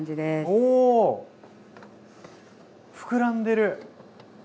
おお膨らんでる！